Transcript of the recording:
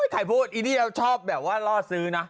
ไทยพูดอีเดียวชอบแบบว่ารอดซื้อนะ